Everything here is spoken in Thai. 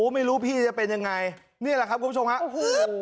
ไม่รู้พี่จะเป็นยังไงนี่แหละครับคุณผู้ชมครับ